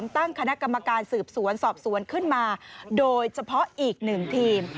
ตั้งคณะกรรมการสืบสวนสอบสวนขึ้นมาโดยเฉพาะอีกหนึ่งทีม